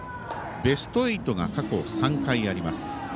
ベスト８が過去３回あります。